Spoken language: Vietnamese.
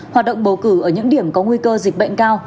hoạt động bầu cử ở những điểm có nguy cơ dịch bệnh cao